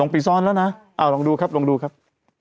ปีซ้อนแล้วนะลองดูครับลองดูครับ